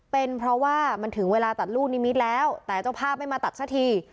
เป็นเพราะว่ามันถึงเวลาตัดลูกนิมิตรแล้วแต่เจ้าภาพไม่มาตัดสักที